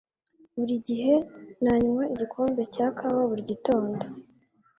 Buri gihe nanywa igikombe cya kawa buri gitondo.